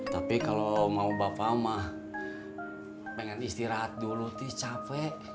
tapi kalau mau bapak mah pengen istirahat dulu tuh capek